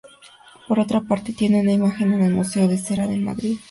Por otra parte, tiene una imagen en El Museo de Cera de Madrid.